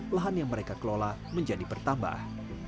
lahan yang mereka kelola menjadi bertambah